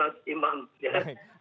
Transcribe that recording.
terakhir bahwa masih imam